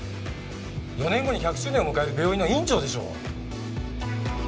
４年後に１００周年を迎える病院の院長でしょう！